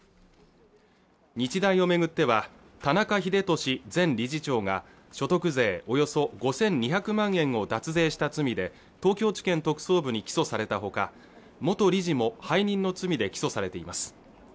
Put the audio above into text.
日大をめぐっては田中英寿前理事長が所得税およそ５２００万円を脱税した罪で東京地検特捜部に起訴されたほか元理事も背任の罪で起訴されています